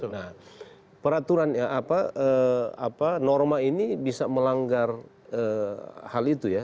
nah peraturan norma ini bisa melanggar hal itu ya